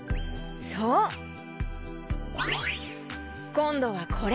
こんどはこれ。